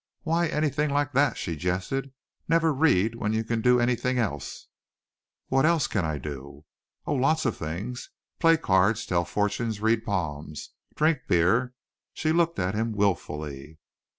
"Why anything like that?" she jested. "Never read when you can do anything else." "What else can I do?" "Oh, lots of things. Play cards, tell fortunes, read palms, drink beer " She looked at him wilfully.